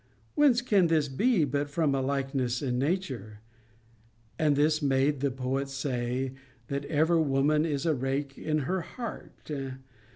Whence can this be, but from a likeness in nature? And this made the poet say, That ever woman is a rake in her heart.